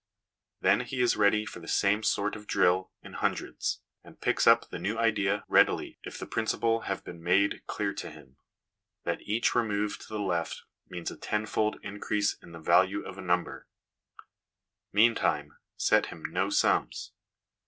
Then he is ready for the same sort of drill in hundreds, and picks up the new idea readily if the principle have been made clear to him, that each remove to the left means a tenfold increase in the value of a number. Mean time, * set ' him no sums.